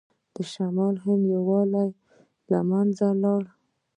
د شمالي هند یووالی له منځه لاړ.